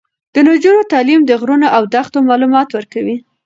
د نجونو تعلیم د غرونو او دښتو معلومات ورکوي.